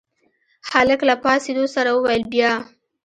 هلک له پاڅېدو سره وويل بيا.